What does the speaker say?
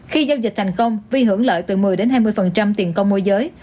khi giao dịch thành công vi hưởng lợi từ một mươi hai mươi tiền công môi giới